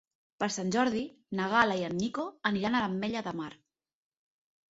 Per Sant Jordi na Gal·la i en Nico aniran a l'Ametlla de Mar.